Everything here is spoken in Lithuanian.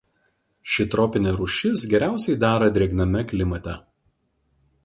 Ši tropinė rūšis geriausiai dera drėgname klimate.